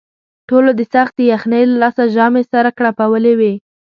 ټولو د سختې یخنۍ له لاسه ژامې سره کړپولې وې.